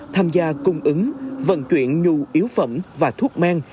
tham gia cung ứng vận chuyển nhu yếu phẩm và thuốc men